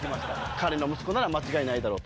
彼の息子なら間違いないだろうと。